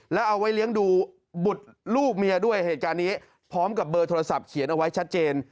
แล้วเอาไว้เลี้ยงดูบุตรลูกเมียด้วยเหตุการณ์นี้พร้อมกับเบอร์โทรศัพท์เขียนเอาไว้ชัดเจน